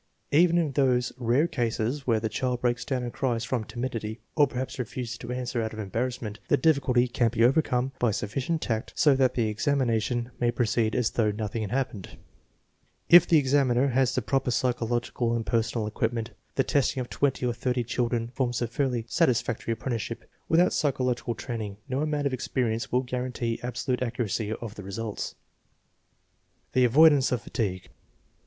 Even in those rare cases where the child breaks down and cries from timidity, or perhaps refuses to answer out of embarrassment, the difficulty can be over come by sufficient tact so that the examination may pro ceed as though nothing had happened, If the examiner has the proper psychological and personal equipment, the testing of twenty or thirty children forms a fairly satisfactory apprenticeship. Without psychological training, no amount of experience will guarantee absolute accuracy of the results. The avoidance of fatigue.